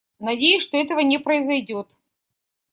Надеюсь, что этого не произойдет.